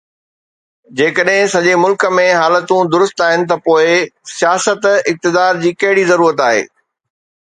جيڪڏهن سڄي ملڪ ۾ حالتون درست آهن ته پوءِ سياست، اقتدار جي ڪهڙي ضرورت آهي